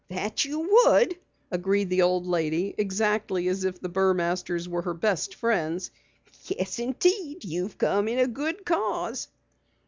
"That you would," agreed the old lady exactly as if the Burmasters were her best friends. "Yes, indeed, you've come in a good cause."